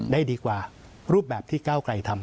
ได้ดีกว่ารูปแบบที่ก้าวไกลทำ